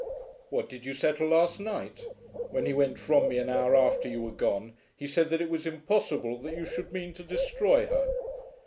"What did you settle last night? When he went from me an hour after you were gone, he said that it was impossible that you should mean to destroy her."